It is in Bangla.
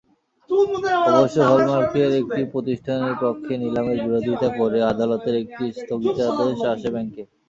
অবশ্য হল-মার্কের একটি প্রতিষ্ঠানের পক্ষে নিলামের বিরোধিতা করে আদালতের একটি স্থগিতাদেশ আসে ব্যাংকে।